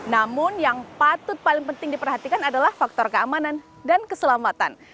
namun yang patut paling penting diperhatikan adalah faktor keamanan dan keselamatan